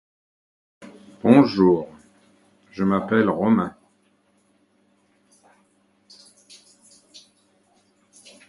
All of the district's middle schools are named after Texas-renowned persons.